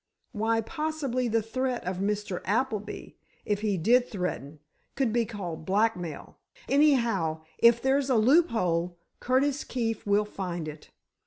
Why, possibly, the threat of Mr. Appleby—if he did threaten—could be called blackmail. Anyhow, if there's a loophole, Curtis Keefe will find it!